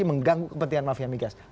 mengganggu kepentingan mafia migas